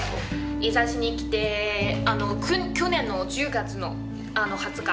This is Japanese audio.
枝幸に来てあの去年の１０月の２０日。